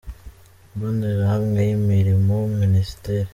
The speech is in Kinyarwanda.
mbonerahamwe y’imirimo Minisiteri.